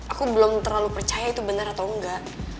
aku belum terlalu percaya itu benar atau enggak